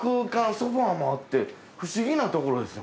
ソファもあって不思議なところですね